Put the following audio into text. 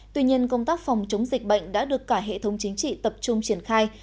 tuy nhiên công tác phòng chống dịch bệnh đã được cả hệ thống chính trị tập trung triển khai